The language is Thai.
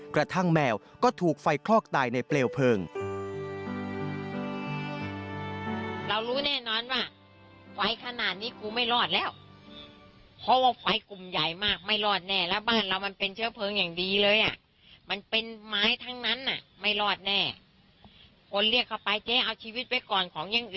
แมวก็ถูกไฟคลอกตายในเปลวเพลิง